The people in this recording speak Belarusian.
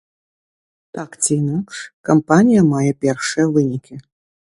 Так ці інакш, кампанія мае першыя вынікі.